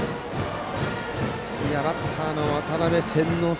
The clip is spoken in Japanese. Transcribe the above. バッターの渡邉千之亮